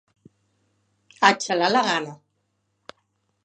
A xalar la gana!